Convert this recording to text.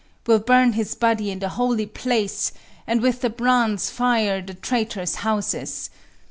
We'll burn his body in the holy place, And with the brands fire the traitors' houses.